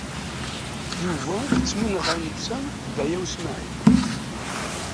Yuba yettmenɣa netta d Baya U Smaɛil.